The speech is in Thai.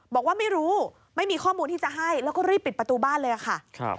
บอกว่าไม่รู้ไม่มีข้อมูลที่จะให้แล้วก็รีบปิดประตูบ้านเลยค่ะ